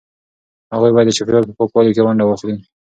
هغوی باید د چاپیریال په پاکوالي کې ونډه واخلي.